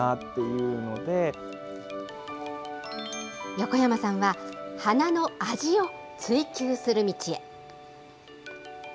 横山さんは、花の味を追求する道へ。